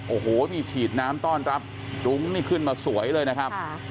โอ้โหมีฉีดน้ำต้อนรับรุ้งนี่ขึ้นมาสวยเลยนะครับ